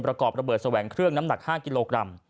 ประกอบระเบิดแสวงเครื่องน้ำหนัก๕กิโลกรัม